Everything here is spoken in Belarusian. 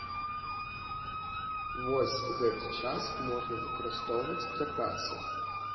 Вось гэты час можна выкарыстоўваць для працы.